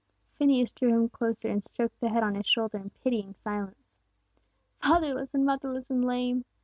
Phineas drew him closer, and stroked the head on his shoulder in pitying silence. "Fatherless and motherless and lame!"